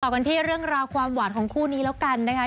กันที่เรื่องราวความหวานของคู่นี้แล้วกันนะคะ